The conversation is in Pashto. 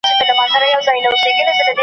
ته به مي د لیک په تمه سره اهاړ ته منډه کې .